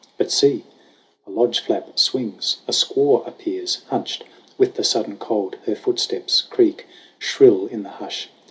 . But see ! a lodge flap swings ; a squaw appears, Hunched with the sudden cold. Her footsteps creak Shrill in the hush.